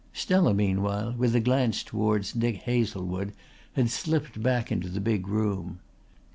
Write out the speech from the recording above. Stella, meanwhile, with a glance towards Dick Hazlewood, had slipped back into the big room.